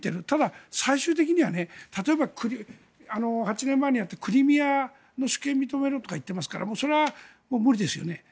ただ、最終的には例えば８年前にあったクリミアの主権を認めろとか言っていますからそれは無理ですよね。